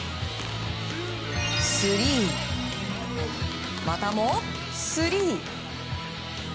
スリー、またもスリー。